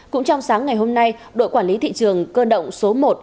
cũng trong sáng ngày hôm nay đội quản lý thị trường cơ động số một